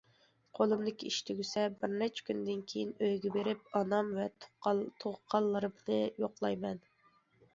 قولۇمدىكى ئىش تۈگىسە بىر نەچچە كۈندىن كېيىن ئۆيگە بېرىپ، ئانام ۋە تۇغقانلىرىمنى يوقلايمەن.